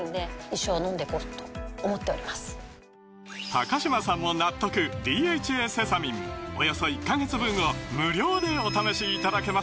高嶋さんも納得「ＤＨＡセサミン」およそ１カ月分を無料でお試しいただけます